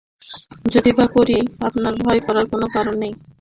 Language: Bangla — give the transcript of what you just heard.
যদি বা করি, আপনার ভয় করবার কোনো কারণ নেই– আমি ভারি দুর্বল।